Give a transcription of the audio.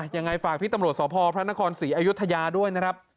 ยังไงฝากพี่ตำรวจสพพระนครศรีอยุธยาด้วยนะครับ